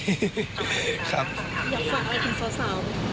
อยากฟังอะไรกับสาว